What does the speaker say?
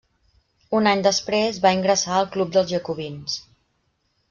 Un any després va ingressar al Club dels Jacobins.